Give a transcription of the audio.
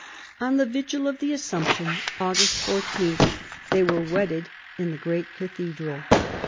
On the Vigil of the Assumption, August 14, they were wedded in the great cathedral.